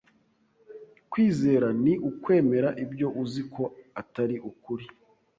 Kwizera ni ukwemera ibyo uzi ko atari ukuri.